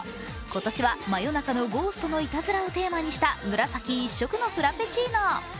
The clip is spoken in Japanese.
今年は真夜中のゴーストのいたずらをテーマにした紫一色のフラペチーノ。